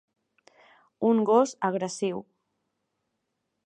Un gos agressiu.